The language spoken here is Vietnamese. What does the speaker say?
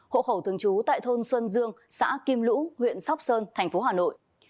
hộ khẩu thường trú tại thôn xuân dương xã kim lũ huyện sóc sơn thành phố hà nội